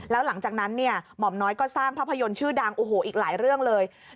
แล้วหลังจากนั้นเนี่ยหม่อมน้อยก็สร้างภาพยนตร์ชื่อดังโอ้โหอีกหลายเรื่องเลย